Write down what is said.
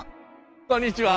こんにちは。